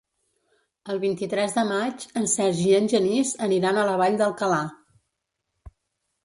El vint-i-tres de maig en Sergi i en Genís aniran a la Vall d'Alcalà.